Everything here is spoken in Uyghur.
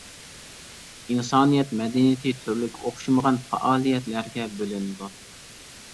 ئىنسانىيەت مەدەنىيىتى تۈرلۈك ئوخشىمىغان پائالىيەتلەرگە بۆلۈنىدۇ.